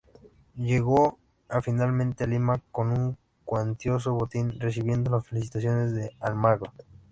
Llegó a finalmente a Lima, con un cuantioso botín, recibiendo las felicitaciones de Almagro.